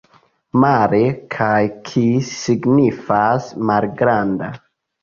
Male kaj kis signifas: malgranda.